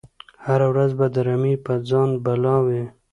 هره ورځ به د رمی په ځان بلا وي